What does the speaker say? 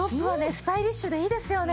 スタイリッシュでいいですよね。